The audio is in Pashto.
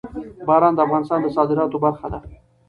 باران د افغانستان د صادراتو برخه ده.